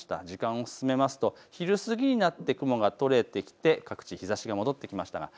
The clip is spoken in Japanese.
時間を進めると昼過ぎになって雲が取れてきて各地、日ざしが戻ってきました。